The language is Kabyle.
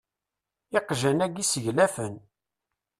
Iqjan-agu seglafen.